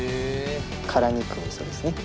辛肉味噌ですね。